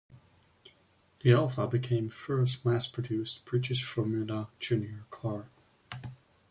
The Elva became first mass-produced British Formula Junior car.